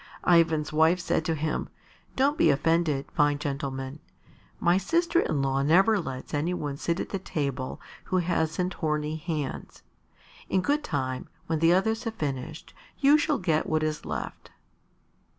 Ivan's wife said to him, "Don't be offended, fine gentleman. My sister in law never lets any one sit at the table who hasn't horny hands. In good time, when the others have finished, you shall get what is left."